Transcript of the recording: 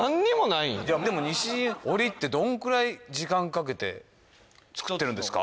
いやでも西陣織ってどんくらい時間かけて作ってるんですか？